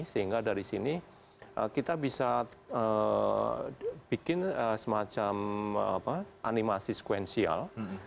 sehingga dari sini kita bisa bikin semacam animasi sekuensial